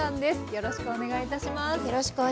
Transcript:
よろしくお願いします。